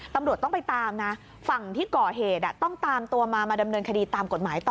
ตำรวจต้องไปตามนะ